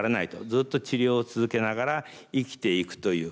ずっと治療を続けながら生きていくという。